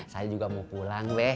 saya juga mau pulang deh